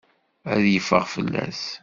Aya yeffeɣ fell-as.